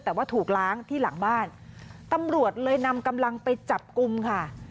แต่ว่าถูกล้างที่หลังบ้านตำรวจเลยนำกำลังไปจับกลุ่มค่ะ